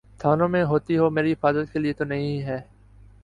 تھانوں میں ہوتی ہو، میری حفاظت کے لیے تو نہیں ہے۔